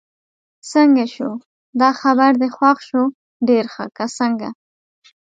څنګه شو، دا خبر دې خوښ شو؟ ډېر ښه، که څنګه؟